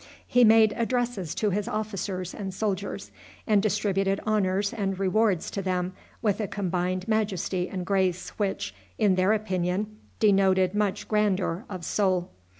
He made addresses to his officers and soldiers, and distributed honors and rewards to them with a combined majesty and grace which, in their opinion, denoted much grandeur of soul.